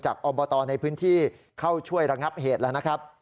อบตในพื้นที่เข้าช่วยระงับเหตุแล้วนะครับ